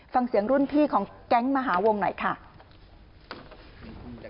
ฟังเสียงรุ่นพี่ของแก๊งมหาวงหน่อยค่ะ